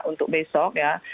untuk besok ya